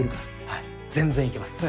はい全然いけます。